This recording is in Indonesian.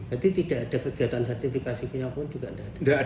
berarti tidak ada kegiatan sertifikasinya pun juga tidak ada